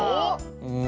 うん。